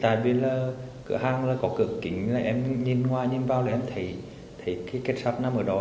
tại vì là cửa hàng có cửa kính em nhìn ngoài nhìn vào em thấy kết sắt nằm ở đó